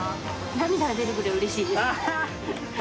涙が出るくらいうれしい。